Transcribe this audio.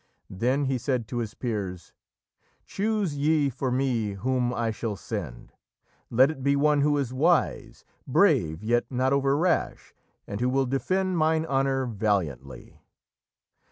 Then he said to his peers: "Choose ye for me whom I shall send. Let it be one who is wise; brave, yet not over rash, and who will defend mine honour valiantly."